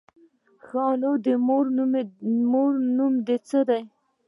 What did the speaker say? _ښه نو، د مور نوم دې څه دی؟